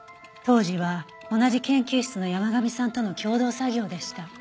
当時は同じ研究室の山神さんとの共同作業でした。